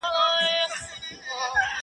منظومه ترجمه: عبدالباري جهاني!.